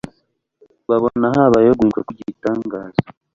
babona habayeho uguhinduka kw'igitangaza.